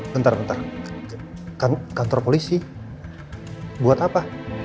bentar bentar kan kantor polisi buat apa